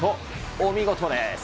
お見事です。